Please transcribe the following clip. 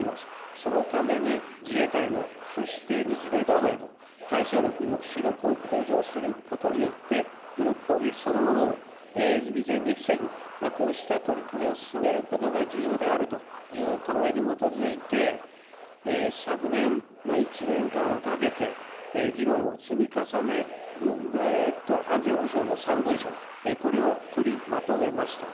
そのために自衛隊の、そして日米同盟の対処力、抑止力を向上することによって、武力攻撃そのものを未然に防ぐ、こうした取り組みを進めることが重要であるという考えに基づいて、昨年、１年間をかけて議論を積み重ね、安全保障の３文書、これを取りまとめました。